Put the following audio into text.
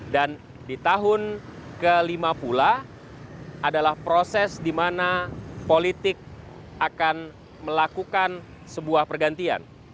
dan di tahun kelima pula adalah proses di mana politik akan melakukan sebuah pergantian